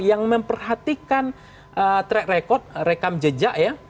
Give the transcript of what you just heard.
yang memperhatikan track record rekam jejak ya